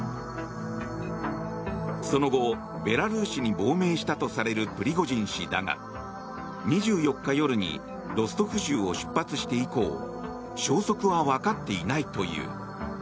その後ベラルーシに亡命したとされるプリゴジン氏だが、２４日夜にロストフ州を出発して以降消息は分かっていないという。